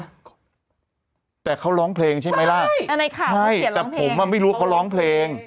อ้าวสรุปเขาร้องเพลงหรือเขาไม่ร้องเพลง